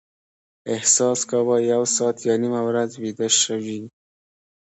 احساس کاوه یو ساعت یا نیمه ورځ ویده شوي.